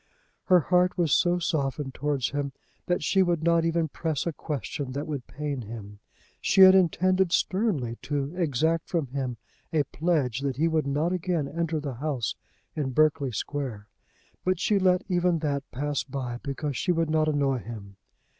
Her heart was so softened towards him that she would not even press a question that would pain him. She had intended sternly to exact from him a pledge that he would not again enter the house in Berkeley Square, but she let even that pass by because she would not annoy him.